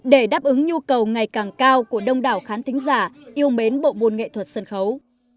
để đáp ứng nhu cầu ngày càng cao của đông đảo khán tính giả yêu mến bộ môn nghệ thuật sân khấu